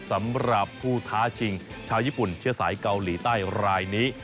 สำหรับผู้ท้าชิงชาวญี่ปุ่นเชื้อสายเกาหลีใต้รายนี้